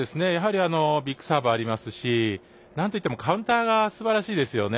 ビッグサーブがありますしなんといってもカウンターがすばらしいですよね。